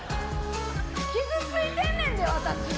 傷ついてんねんで、私。